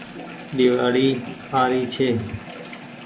ۮيوآڙي آ ري ڇي